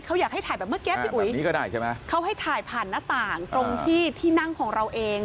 เขาอยากให้ถ่ายแบบเมื่อกี้พี่อุ๋ยอันนี้ก็ได้ใช่ไหมเขาให้ถ่ายผ่านหน้าต่างตรงที่ที่นั่งของเราเอง